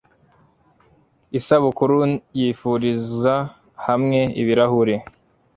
isabukuru-yifuriza-hamwe-ibirahure